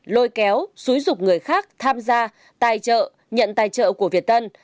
lôi kéo xúi dục người khác tham gia tài trợ nhận tài trợ của việt tân